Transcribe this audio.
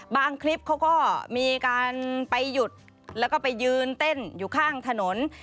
คลิปเขาก็มีการไปหยุดแล้วก็ไปยืนเต้นอยู่ข้างถนน